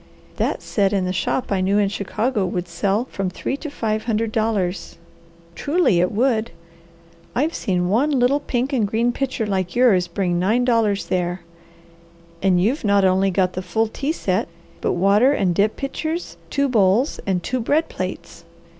"That set in the shop I knew in Chicago would sell for from three to five hundred dollars. Truly it would! I've seen one little pink and green pitcher like yours bring nine dollars there. And you've not only got the full tea set, but water and dip pitchers, two bowls, and two bread plates.